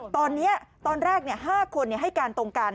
ตอนนี้ตอนแรก๕คนให้การตรงกัน